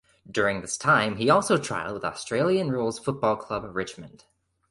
During this time he also trialled with Australian rules football club Richmond.